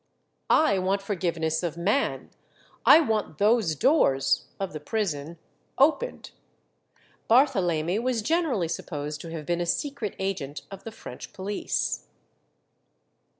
"I want forgiveness of man; I want those doors (of the prison) opened." Barthelemy was generally supposed to have been a secret agent of the French police.